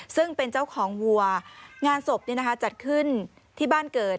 ซึ่งเป็นเจ้าของวัวงานศพจัดขึ้นที่บ้านเกิด